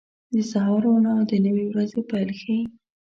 • د سهار روڼا د نوې ورځې پیل ښيي.